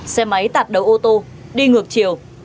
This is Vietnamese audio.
xe máy tạp đầu ô tô đi ngược chiều